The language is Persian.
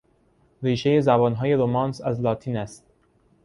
ریشهی زبانهای رمانس از لاتین است.